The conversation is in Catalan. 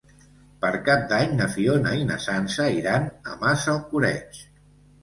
Per Cap d'Any na Fiona i na Sança iran a Massalcoreig.